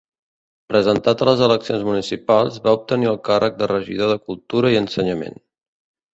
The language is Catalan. Presentat a les eleccions municipals, va obtenir el càrrec de regidor de cultura i ensenyament.